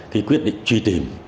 thì quyết định truy tìm